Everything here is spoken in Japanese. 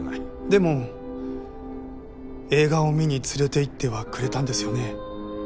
でも映画を観に連れていってはくれたんですよね？